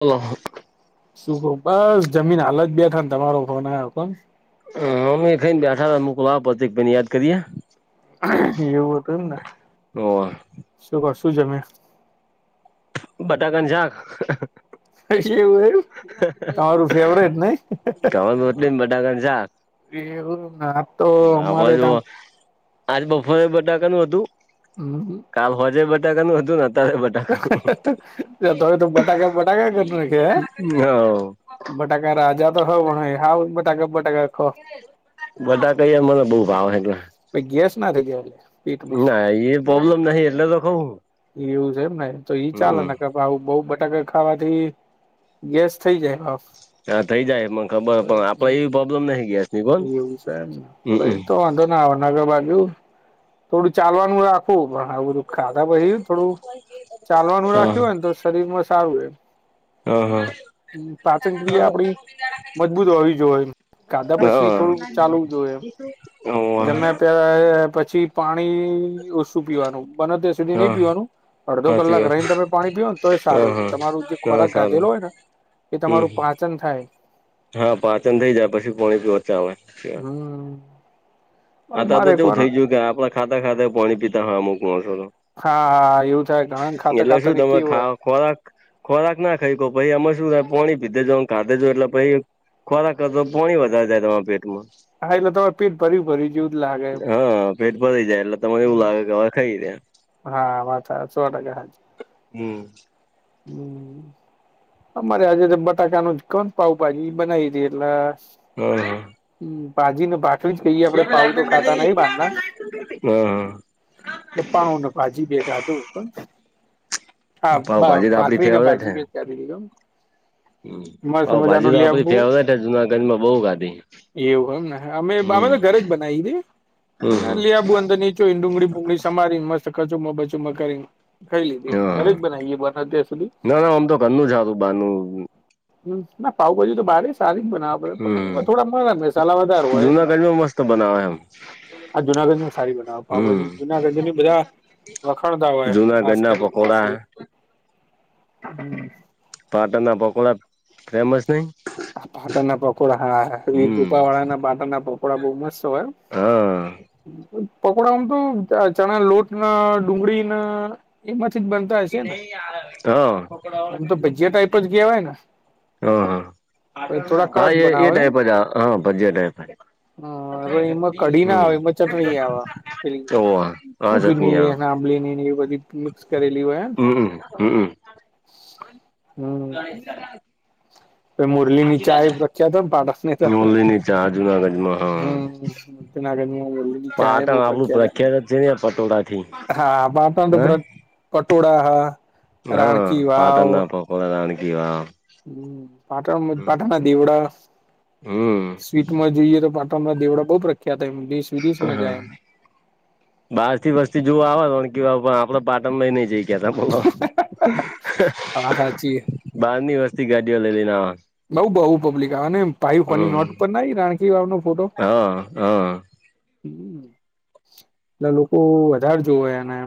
ઓ હ. શું ક બસ જમીન હાલત બેઠ ને તમારો ફોન આવ્યો કોણ. હ અમે ખાઈને બેઠા મક એક બેને યાદ કરીએ. એવવું હત એમને શગ શું જમે. બટાકાનુ શાક. પછી એવું એું તમારું ફેવરેટ નહ. એમ બડાકા શાક. એ એવુંને આપડે જો [unintelligible] આજ બફોરે બટાકાનું હતું હમ કાલ હોજે બટાકાનું હતું ને અત્યારે બટાકા તોવે તો બટાકા બટાકા કરખે હ બટાકા રાજા તો હ ભાઈ હા બટાકા બટાકા ખ બટાકા યાર મને બઉુ ભાવ એટલે પહિ ગેસ ના થઈ ગયા એટલે પીટ ના એ પ્રોબ્લેમ નહી એટલે તો કઉ એવું છે એમ ને તો ઈ હમ ચાલેને આવ બઉ બટાકા ખાવાથી ગેસ થઈ જાય હા થઈ જાય મને ખબર પણ આપડે એવી પ્રોબ્લેમ નઈ ગેસ એવું છે એમને પહિ તો વાંધો જ નહીં ના નગર બાજુ થોડું ચાલવાનું રાખવું પણ આ બધું ખાધા પછી થોડું ચાલવાનું હા રાખ્યું હોય ને તો શરીર માં સારું રે હા એમ પાચન ક્રિયા આપડી મજબૂત હોવી જોઈએ ખાધા પછી થોડું ચાલવું જોઈએ હા હા જમ્યા પછી પાણી ઓછું પીવાનું બને ત્યાં નહી હા પીવાનું અડધો સાચી કલાક વાત રહીને તમે પાણી પીઓ ને તો એ હા સારું હા તમારું જે હા ખોરાક સારું ગાધેલો હોય ને કે હમ તમારું પાચન થાય હા પાચન થઇ જાય પછી [unintelligible] ઓચ આવેે હમ્મ. આ તો જેવું થઇ ગયું કે આપણા ખાતા ખાતે પાણી પીતા હા અમુક છો તો હા હા એવું થાય ઘણા ખાતા એટલે ખાતા શું તમે કીવું ખા હોય ખોરાક ખોરાક ના ખાઈ કો પછી આમે શું થાય પાણી પીધે જો કાધેજો એટલે પછી ખોરાક કરતા તો પાણી વધારે જાય તમારા પેટમાં હા એટલે તમે પીઠ ભરી ભરી ગયું હા પેટ ભરી જાય એટલે તને એવું લાગે કે હવે ખાઈ રહ્યા હા વાત સો ટકા હાચી હમ્મ. અમારે આજે બટાકા નું જ કોન પાઉભાજી બનાવી દે એટલે હા [unintelligible] જ કહીએ આપડે પાાવ તો ખાતા નઈ બારના હા પાવ ને ભાજી બે ખાધું પણ હા પાવ ભાજી તો આપડી ભાખરી ને ફેવરેટ [unintelligible] મસ્ત ભાજી મજાનું તો આપડી લેબુ ફેવરેટ છે જુનાગઢમાં બઉ ખાધી એવું એમ અમે હમ તો ઘરે જ બનાવી દે હમ એને હમ લ આબું અંદર નીંચ ડુંગળી ડુંગળી સમારી કચુમાં બચુમાં કરીને ખાઈ લીધી ઘરે જ હા બનાવી [unintelligible] ના ના આમ તો ઘરનુ જ હારું બારનું હ ના પાઉભાજી તો બારે સારી જ બનાવ હમ [unintelligible] થોડા મસાલા વધાર હોય [unintelligible] જુનાગઢમાં મસ્ત બનાવે એમ આ જુનાગઢમાં સારી હમ બનાવી જુનાગઢની બધા વખાણતા હોય જુનાગઢ ખાસ ના કરીને પકોડા મોસ્ટલી [inaudible] પાટણ ના પકોડા ફેમસ નહી [unintelligible] [unintelligible] ડા હા હમ રૂપા વાળા ના બાટણ ના પપોડા બહ મસ્ત હોય. હા પકોડા આમ તો ચણા લોટ ના ડુંગળી ના એમાંથી બન હ હ આમ તો ભજીયા ટાઈપ જ કહેવાય ને થોડા હા કડક એ એ બનાવે ને ટાઈપ જ હા ટાઈપ હ હવે એમાં કઢી ના હમ આવે એમાં ચટણી આવે પેલી ઓવ આ ચટણી આ ખજૂરની ની બધી મિક્સ કરેલી હોય હમ્મ હમ્મ હમ્મ. મુરલી ની ચા પ્રખ્યા તો બાડકને તો ઓલીની ચા જુનાગઢમાં હા હમ ઉ ચયા બ પાટણ આપડું પ્રખ્યા પ્રખ્યાત જ છે ને પટોળા થી હા હ પાતા પટોળા હા રાણકી વાવ પણ રાણકી વાવ હમ પાટણ પાટણના દીવડા હમ સ્વીટ માં જોઈએ તો પાટણના દેવડા બહુ પ્રખ્યાત એ મ હા બહાર થી વસ્તી જોવ આવે કે પણ આપડ પાટણ નઈ જઈ કોલો હા સાચી બાર ની વસ્તી ગાડીઓ લેલી ના બઉ બહુ પબ્લિક આવે ભાઈ કોની નોટ ઉપર ના રાણખ વા ના હા હા હ એટલે લોકો વધારે જોવવે એને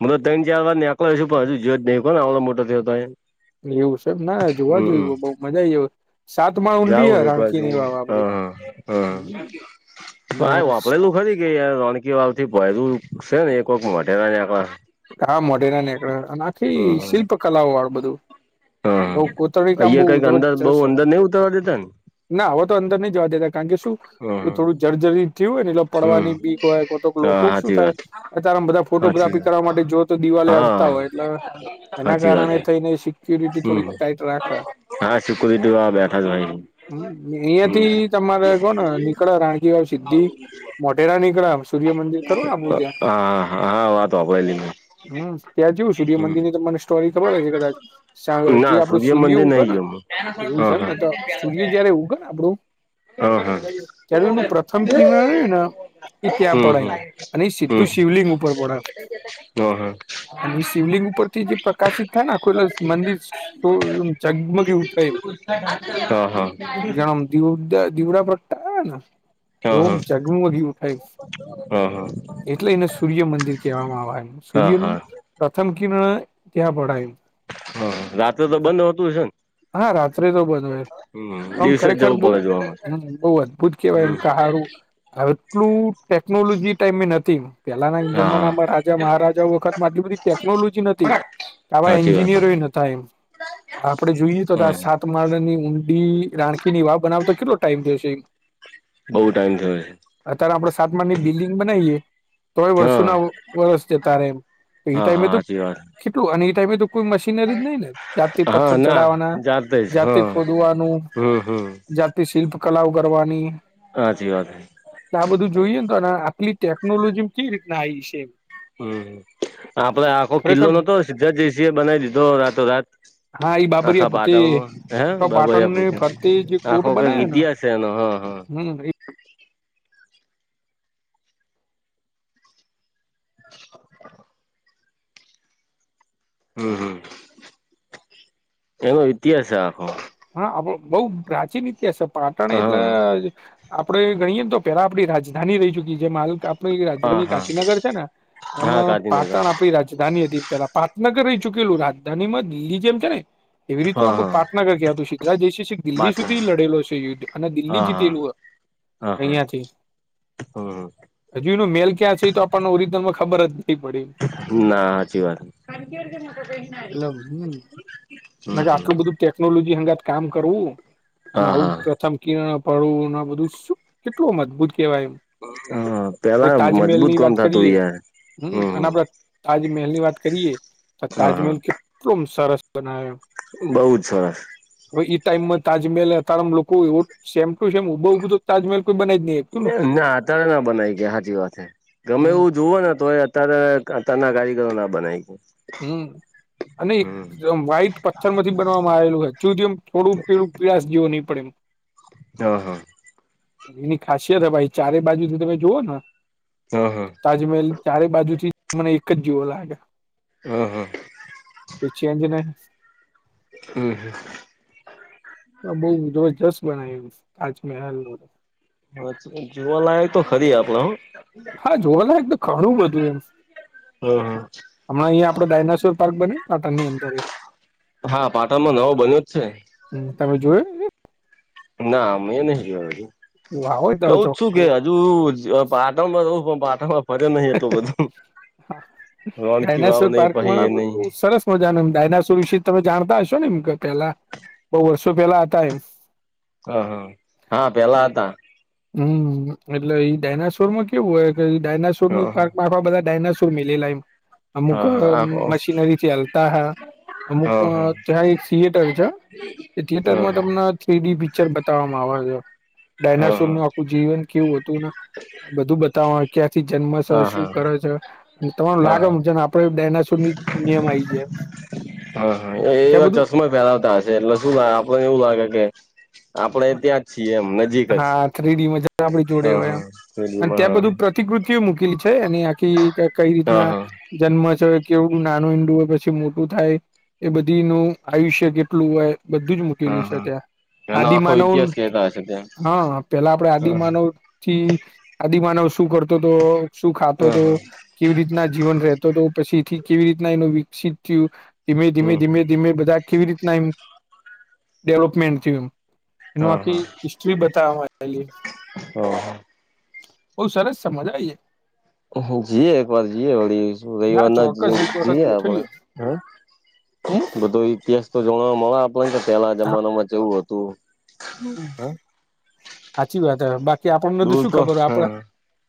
મતબ ત ચાર વા ક પણ હજ જો જ નં કો આવલો મોટો થયો ત એવું છેબ ના જોવા જોયું બઉ મજા આઈ સાત માળ ઊંડી હ જાઉં એક બાજુ રાણકીની હ વાવ આપડી હા હા અને વાપરેલું ખરી કે યાર રણકી વાવથી ભયલું છે ને એક વાખ મોઢેરા આડા હા મોઢેરા નીકળ આખી શિલ્પ કલાઓ વાળું બધું. હા બઉ કોતરણી કામ બહુ અહિયાં કઈક અંદર બહ જબરજસ્ત અંદર નઈ ઉતરવા દેતા ને ના હોવે તો અંદર નઈ જોવા દેતા. કારણ કે શું હમ થોડું જર્જરી થયું હોય ને એટલે હમ પડવાની બીક હોય કો તો હા લોકો શું સાચી થાય વાત અ ત્યારેમે બધા સાચી ફોટોગ્રાફી કરવા માટે જોઓ તો દિવાલે હા અડતા હોય એટલે એના સાચી વાત કારણે થઈને સિક્યોરિટી થોડીક હમ ટાઈટ રાખે. હા સિક્યુરિટી વાળા બેઠા જ હોય હમ અહિયાયાથી તમારે કો નીકળ્યા રાણકી સિદ્ધી મોઢેરા નીકળ્યા. હા હા વાત સાંભળેલી મેં હમ ત્યાં જવું સૂર્યમંદિર ની તમને સ્ટોરી ખબર હશે કદાચ જે ના આપડું સૂર્ય મંદિર ઉગે નહી ને ગયો હું એવું હા છેમ હા ને તો સૂર્ય જયારે ઉગે ને આપડું હમ ત્યારે એનું પ્રથમ હા કિરણ ને હમ એ ત્યાં પડે એમ હમ અને એ સીધું હમ શિવલિંગ ઉપર પડે હમ હમ અને એ શિવલિંગ ઉપરથી જે પ્રકાશિત થાય ને આખું એ મંદિર શમ જગમગ એવું થાય એમ. [unintelligible] હા હા જણ દીવ દીવડા પ્રગટા આવે ને હા હા હા હા હા એવો ચગમું અગી ઉઠાય હા એટલે એને સૂર્યમંદિર કહેવામાં આવે એ હા સૂર્યનું હા પ્રથમ કિરણ ત્યાં પડાય. હા રાત્રે તો બંધ હોતું છે ને! હા રાત્રે તો બધું હોય. હમ પણ આમ દિવસે જ ખરેખર જવું બહ પડે જોવા હ બહ અદભુત કેવાય એમ માટે હારું. આટલું ટેકનોલોજી ટાઈમની નથી પેલાના હા હા જમાનામાં રાજા મહારાજા વખત આટલી બધી ટેકનોલોજી નથી આવા સાચી વાત એન્જિનિયરો ન એમ. આપડે જોઈએ તો આ હમ સાત માળની ઊંડી રાણકી ની વાવ બનાવ તો કેટલો ટાઈમ થયોશે એમ. બહુ ટાઈમ થયો અત્યારે આપડ સાતમાની બિલ્ડિંગ બનાવીએ તો છે હા વર્ષોના વરસ જ તારે એમ એ હા ટાઈમે હા તો સાચી વાત કેટલું અને એ ટાઈમે તો કોઈ મશીન ર નહી ને જાતિ હા પથ્થર ના ચડાવવાના જાતે જ જાતિ હા ખોદવાનું હમ હમ જાતિ શિલ્પ કલાઓ કરવાની. હાચી વાત. આ બધું જોઈએને તો અને આટલી ટેકનોલોજી કેવી રીતના આવી છે એમ. હમ આપડે આખો કિલ્લો ખરેખર નતો સીધાર્થ જયસિહે એ બનાવી દીધો રાતો રાત હા એ બાબરીયા આખા પોતે પાટણમાં આખા પાટણની ફરતે જે કોટ બનાવ્યો [unintelligible] છે, નો હા હા ને હમ હમ હમ એનો ઇતિહાસ આખો હા બો બોવ પ્રાચીન ઇતિહાસ પાટણ એટલે હા આપડે ગણીએેને તો પેલા આપડી રાજધાની રેય ચુકી જે માલ આપણી હા રાજધાની હા ગાંધીનગર છે, ને હા એમાં ગાંધીનગર પાટણ આ રાજધાની હતી પેલા પાટનગર રહી ચૂકેલું રાજધાની માં દિલ્હી જેમ છે, ને એવી રીતનુ હા આપણુ હા પાટનગર ક્યા ગુજરાત [unintelligible] દિલ્હી સુધી પાટનગર લડેલો છે, યુદ્ધ અને દિલ્હી હા હા જીતેલું અહિયાંથી હ. હજુ એનો મેલ ક્યાં છે, તો આપણને ઓરિજિનલમાં ખબર જ નથી પડી ના હાચી વાત એટલે હમ હમ ના કે હમ આટલું બધું ટેકનોલોજી હંગાત કામ કરવું અને હા આવું હા પ્રથમ કિણ પડવુ બધું કેટલું મજબૂત કેવાય એમ હા આપણે પેલા મજબૂત તાજમહેલની વાત ગધાતું કરીએ યાર હમ અને આપડે તાજમહેલની વાત કરીએ તો હા તાજમહેલ હા કેટલો સરસ બનાયો બઉ જ સરસ હવે ઈ ટાઈમમાં તાજમહેલ તારમ લોકો એવો સેમ ટુ સેમ ઉભા ઉધો તાજમહેલ કોઈ બને ના આતારે ના બનાય ગયા હ સાચી વાત છે, ગમે હમ એવું જુવ ને તોએ ત્યારે અતના કારીગરો ના બનાવી હમ અને હમ એકદમ વાાઈટ પથ્થર માંથી બનવામાં આવેલું હોય જોધમ થોડું પેલુ પીલાસ જેવ ની પડે એમ હ હ. એની ખાસિયત હે ભાઈ ચારે બાજુ થી તમે જુઓ ને હ હ. તાજમહેલ ચારે બાજુથી મને એક જ જેવો લાગે હા હા. કોઈ ચેન્જ નય હમ. બોવ જબરજસ્ત બનાય્વુ કાચમહેલ ન તો હ જોવાલાયક તો ખરી આપડે હ હા જોવા લાયક તો ઘણું બધું એમ હમ હ. હમણાં અંયા આપડે ડાયનાસોર પાર્ક બન્યો પાટણની અંદર એ આ પાટણમાં નવો બન્યો જ છે. હમ તમે જોયો? ના મે એ નહી જોયો હજુ આવો તમે ચોક જુઓ [unintelligible] [inaudible] ફરે નહી તો બધું હા રોનકી વાવ ને પહી એ ની હ જાનમ ડાયનાસ વિશે તમે જાણતા હશો ને પેલા? બો વર્ષો પેલા હતા એમ હ હા હા પેલા હતા હમ એટલે ઈ ડાયનાસોર માં કેવું હોય કે ડાયનાસોર નું પા ખમા બધા ડાયનોસર મિલેલા એમ અમુક મશીનરી ચાલતા હા અમુક ત્યાં એક થિયેટર છે. એ થિયેટર માં તમને થ્રીડી પિક્ચર બતાવવામાં આવે છે, હા ડાયનાસોર હા નું આખું જીવન કેવું હતું બધું બતાવ ક્યાંથી જન્મ છે, શું હા કરે છે. અને તમારું હા લાગે છે ને આપડે ડાયનાસોર ની નિયમ આવીયમ હા હા એ એ વા જશો. ફેલાવતા હશે એટલે શું લે આપને એવું લાગે કે આપડે ત્યાં જ છીએ એમ નજીક જ હા થ્રીડી મજા આપ જોડે હા હોય હા અને રેડિયોમાં ત્યાં હા બધું પ્રતિકૃતિઓ મૂકેલી છે અને આખી કઈ હા રીતના હા જન્મ છે કેવડું નાનું ઈંડુ હોય પછી મોટું થાય એ બધી નું આયુષ્ય કેટલું હોય બધું જ લું છે ત્યાં આદિ માનવ તે તો હશે ત્યા હા પેલા આપડે આદિમાનવ થી આદિમાનવ શું કરત શું ખાતો હા હતો હા કેવી રીતના જીવન રહેતો હતો પછી થી કેવી રીતના એનું વિકસિત થયું ધીમે ધીમે હમ ધીમે ધીમે બધા કેવી રીતના એમ ડેવલપમેન્ટ થયું એમ એનું હા આખી હા હિસ્ટ્રી બતાવલી હા હા બહુ સરસ સમજા આવી જઈએ એક વાર જઈએ વળી જાય રવિવાર હા ના ચોક્કસ એક વખત જઈએ આપણે ગોઠવીએ હ હમ બધો ઈતિહાસ તો જોણવા મળે આપ ને પેલા જમાનામાં કે એવું હતું હા સાચી વાત હ બાકી આપણને તો દૂર શું ખબર હો આપડ હા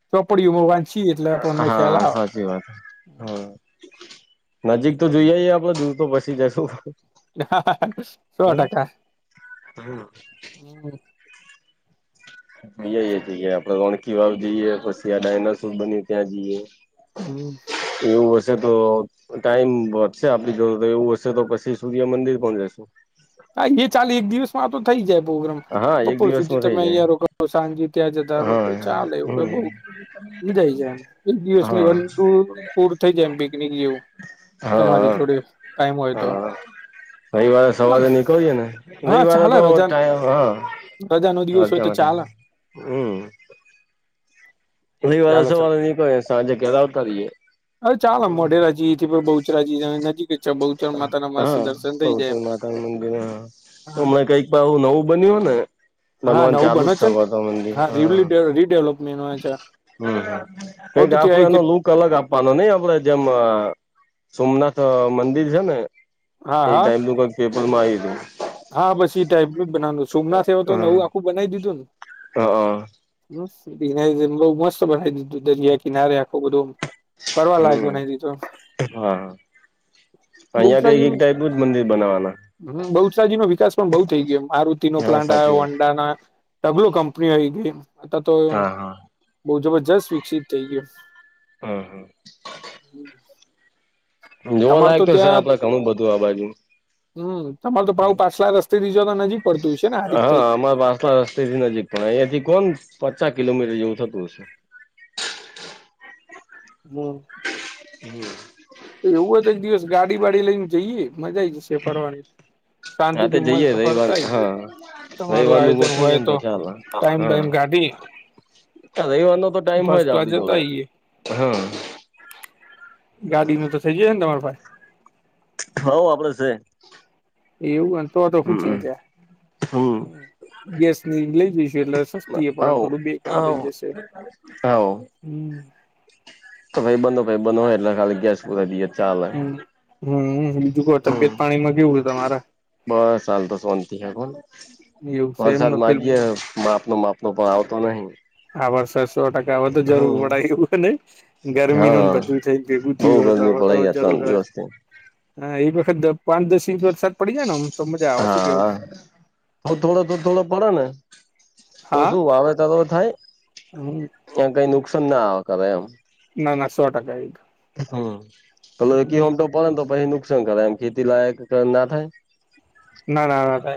ચોપડીયું વાચી હા સાચી વાત હા નજીક તો જોઈએએ આપડે દૂર તો પછી જશું હ સો ટકા હમ અ છે કે આપડે ઓણખી વાવ જઈએ પછી આ ડાયનાસોર બની ત્યાં જઈએ હમ એવું હશે તો ટાઈમ વધશે આપણી જો એવું હશે તો પછી સૂર્ય મંદિર પણ જશું હા એ ચાલે એક દિવસ આ તો થઈ જાય પ્રોગ્રામ હા એક બપોર સુધી દિવસમાં થઇ તમે જાય અહં રો કરો સાંજે ત્યાં જતા રહો તો હા ચાલે એવું કે બઉ હમ જાય જાય એમ એક દિવસની હા વન ટુ ટુર થઇ જાય એમ પિકનિક જેવું તમારી હા જોડે ટાઈમ હોય તો હા રવિવારે સવારે નીકળીયે ને હા રવિવારે ચાલે તો રજા ટાઈમ રજા નો હા દિવસ રજ હોય મ તો ચાલે હમ ઘણી વાર ચાલ ચાલ સવારે નીકળે સાંજે ઘેર આવતા રહીએ અરે ચાલ મોઢેરાજી પણ બહુ ચરા નજીક છે બહુચર માતા ના મસ્ત હા દર્શન થઈ બહતે જાય માતાનું મંદિર હ એમ હમને કંઈકું નવું બન્યું હો ને હા બનવાન નવું જાલુ જ બને છે ને થકો હતો મંદિર હા રીડેવલપમેન્ટ છે હમ હ એ તો ગાખું આનો ત્યાં લ અલગ આપવાનો નહ આપડે જેમ સોમનાથ મંદિર છે ને હા એ હા ટાઈમ તો કઈક પેપર માં આવી હતું હા બસ એ ટાઈપ ન જ બનાવાનું સોમનાથ થવા તો નવું આખું બનાવી દીધું ને હ હ હા હ બ મસ્ત બનાવી દીધું દરિયા કિનારે આખું બધું ફરવા લાયક હમ બનાવી દીધો હા અહિયાં બહુચરા જે કઈક એમ એક ટાઈપ નું જ મંદિર બનાવાના હ બહુજ નો વિકાસ પણ બહુ થઈ ગયો એ આરુતિ નો હા પ્લાન્ટ સાચી આ્યો વાત અંડા ના ડબલો કંપની આઈ ગઈ અ તો હા હા બહુ જબરજસ્ત વિકસિત થઈ ગયયો હા હમ હમ. જોવા લાયક તો સર આપડે ઘણું બધું આ બાજુ. હમ તમાર તો હમ ભાવ પાછલા રસ્તેથી જો તો નજીક પડતું હોય છે ને હારીત થઈ. અમારા વાસણા છે જે નજીક પણ અહંયાથી કોન પચ્ચા કિલોમીટર જેવું થતું હશે. હમ્મ. હમ્મ. તો એવું હોય તો એક દિવસ ગાડી વાડી લઈને જઈએ મજા આઈ જશે ફરવાની. હા તે શાંતિથી જઈએ મસ્ત રવિવાર ફરતા આઈએ. હા તમારું રવિવારનું આયોજન ગોઠવીએ હોય ને તો ચાલે ટાઈમ વાઈમ કાઢી તા રવીવારનો તો ટાઈમ હોય જ આપડી જોડે, હા. ગાડી નો તો થઇ જાયે ને તમાર પાહે? હઉ આપડે છે. એવું હો ને તો તો હું હમ ચિંતા. હમ હમ્મ. ગેસ ની લઇ જઈશું એટલે સસ્તી એ પણ થોડું બે કામ થઇ જશે. હઓ. હમ્મ. તો ભાઈ બનો ભાઈ બનો હોય એટલે ખાલી ગેસ દઈએ ચાલે. હમ્મ બીજું કો તબિયત હમ પાણીમાં કેવું છે તમારે? બસ આલ તો શાંતિ હૈ કોને એવું છે વરસાદ એમને પેલું માંગીએ માપનો માપ તો પણ આવતો નહી. આ વર્ષ સો ટકા તો જરૂર હમ પડઆયુ હો નહી. ગરમીનું હા બધું થઈ ભેગું બહુ થયું હું થીયું એટલે ગરમી હવે તો પડે યાર જરૂર ત્રણ રહે દિવસથી હા, એક વખત પાંચ દસ ઇંચ વરસાદ પડી જાય ને આમ તો મજા આવે શું કેવું હા હ હો થોડો તો થોડો પડે ને તો શું વાવેત દગો થાય હમ્મ. ત્યાં કઈ નુકસાન ના આવે કર એમ. ના ના સો ટકા એ તો. હમ્મ, પહેલો કે હું તો પડેને તો પછી નુકસાન કરાય એમ ખેતી લાયક કે ના થાય. ના ના ના થાય.